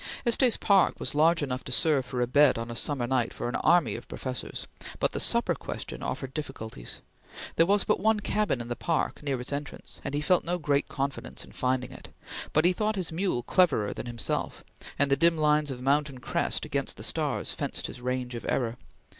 Estes Park was large enough to serve for a bed on a summer night for an army of professors, but the supper question offered difficulties. There was but one cabin in the Park, near its entrance, and he felt no great confidence in finding it, but he thought his mule cleverer than himself, and the dim lines of mountain crest against the stars fenced his range of error.